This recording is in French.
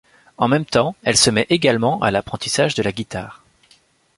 En même temps elle se met également à l'apprentissage de la guitare.